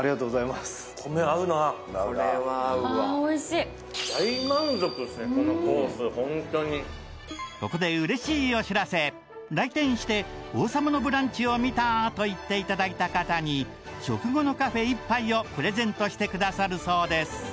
美味しいホントにここでうれしいお知らせ来店して「王様のブランチを見た」と言っていただいた方に食後のカフェ１杯をプレゼントしてくださるそうです